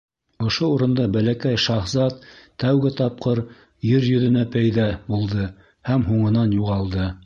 Ошо урында Бәләкәй шаһзат тәүге тапҡыр Ер йөҙөнә пәйҙә булды, һәм һуңынан юғалды.